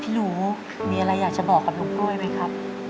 หนูมีอะไรอยากจะบอกกับลุงกล้วยไหมครับ